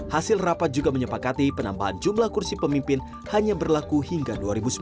hasil rapat juga menyepakati penambahan jumlah kursi pemimpin hanya berlaku hingga dua ribu sembilan belas